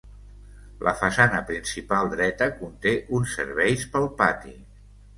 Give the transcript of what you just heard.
La façana principal dreta conté uns serveis pel pati.